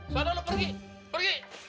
sana lu pergi pergi